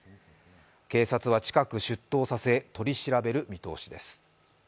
警察は近く出頭させ取り調べる見通しです。